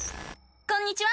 こんにちは！